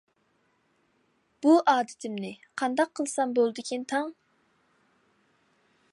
بۇ ئادىتىمنى قانداق قىلسام بولىدىكىن تاڭ!